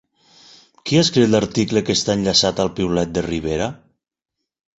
Qui ha escrit l'article que està enllaçat al piulet de Rivera?